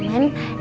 dan juga orang tua